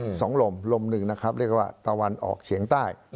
สองลมลมหนึ่งนะครับเรียกว่าตะวันออกเฉียงใต้